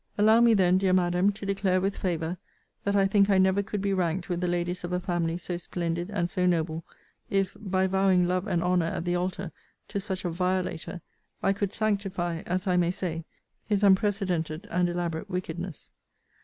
Allow me then, dear Madam, to declare with favour, that I think I never could be ranked with the ladies of a family so splendid and so noble, if, by vowing love and honour at the altar to such a violator, I could sanctify, as I may say, his unprecedented and elaborate wickedness.